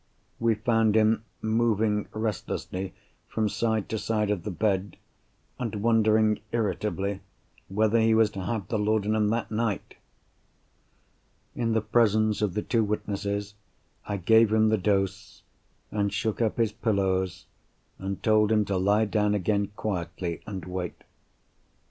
We found him moving restlessly from side to side of the bed, and wondering irritably whether he was to have the laudanum that night. In the presence of the two witnesses, I gave him the dose, and shook up his pillows, and told him to lie down again quietly and wait.